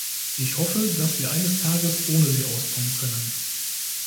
Ich hoffe, dass wir eines Tages ohne sie auskommen können.